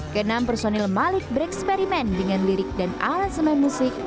kenam personil malik bereksperimen dengan lirik dan alat semain musik